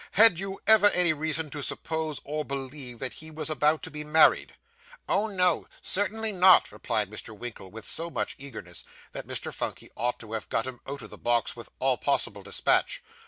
Had you ever any reason to suppose or believe that he was about to be married?' 'Oh, no; certainly not;' replied Mr. Winkle with so much eagerness, that Mr. Phunky ought to have got him out of the box with all possible dispatch.